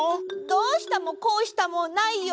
どうしたもこうしたもないよ！